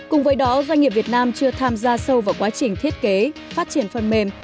cùng với đó doanh nghiệp việt nam chưa tham gia sâu vào quá trình thiết kế phát triển phần mềm